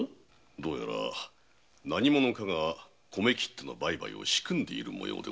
どうやら何者かが米切手の売買を仕組んでいる模様でございます。